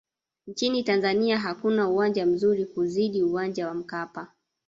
nchini tanzania hakuna uwanja mzuri kuzidi uwanja wa mkapa